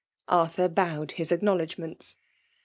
Arthur bowed his acknowledgments.